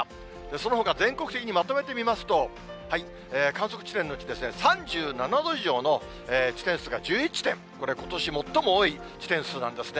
そのほか全国的にまとめてみますと、観測地点で３７度以上の地点数が１１地点、これ、ことし最も多い地点数なんですね。